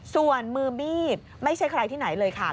ส่วนมือมีดไม่ใช่ใครที่ไหนเลยค่ะ